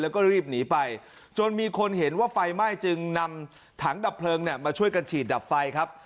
แล้วก็รีบหนีไปจนมีคนเห็นว่าไฟไหม้จึงนำถังดับเพลิงเนี่ยมาช่วยกันฉีดดับไฟครับ